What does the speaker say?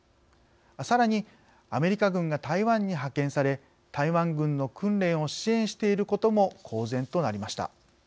さらにアメリカ軍が台湾に派遣され台湾軍の訓練を支援していることも公然となりました。